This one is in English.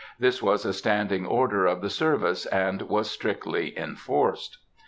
This was a standing order of the service, and was strictly enforced.